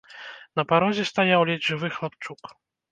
На парозе стаяў ледзь жывы хлапчук.